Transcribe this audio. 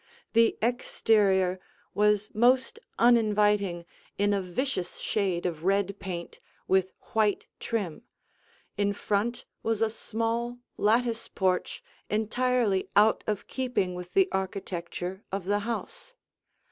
The exterior was most uninviting in a vicious shade of red paint with white trim. In front was a small lattice porch entirely out of keeping with the architecture of the house.